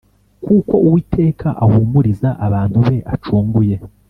kuko Uwiteka ahumuriza abantu be acunguye